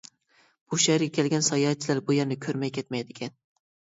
بۇ شەھەرگە كەلگەن ساياھەتچىلەر بۇ يەرنى كۆرمەي كەتمەيدىكەن.